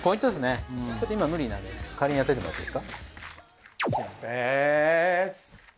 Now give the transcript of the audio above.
ちょっと今無理なんで代わりにやっておいてもらっていいですか？